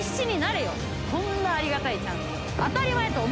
こんなありがたいチャンス